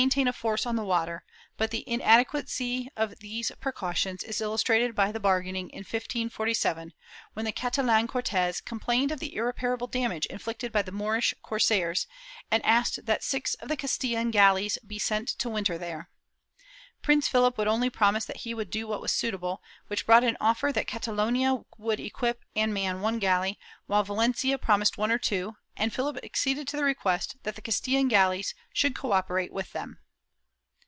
iJ84: MO RISC OS [Book VIII tain a force on the water, but the inadequacy of these precautions is illustrated by the bargaining in 1547, when the Catalan Cortes complained of the irreparable damage inflicted by the Moorish corsairs and asked that six of the Castilian galleys be sent to winter there. Prince Philip would only promise that he would do what was suitable, which brought an offer that Catalonia would equip and man one galley while Valencia promised one or two, and PhiUp acceded to the request that the Castilian galleys should cooperate with them.